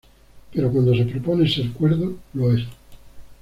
Pero cuando se propone ser cuerdo lo es.